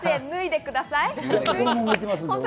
脱いでください。